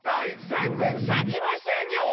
全然さきませんよ！